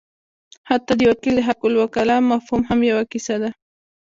حتی د وکیل د حقالوکاله مفهوم هم یوه کیسه ده.